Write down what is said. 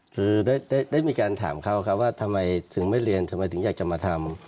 คือได้มีการถามเขาครับว่าทำไมถึงไม่เรียนทำไมถึงอยากจะมาทำ